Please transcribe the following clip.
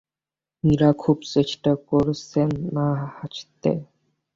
মীরা খুব চেষ্টা করছেন না-হাসতে।